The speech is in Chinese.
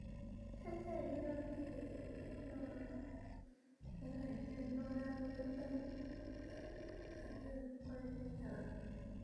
惕隐是契丹族处理契丹贵族政教事务官的名称。